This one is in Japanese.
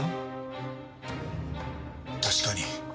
確かに。